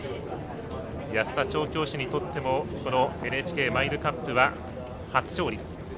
安田調教師にとってもＮＨＫマイルカップは初勝利。